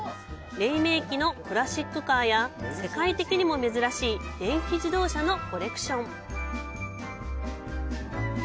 黎明期のクラシックカーや世界的にも珍しい電気自動車のコレクション。